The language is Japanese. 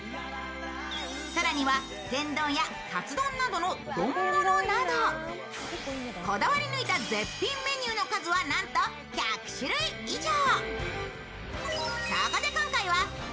さらには天丼やカツ丼などの丼ものなどこだわり抜いた絶品メニューの数はなんと１００種類以上。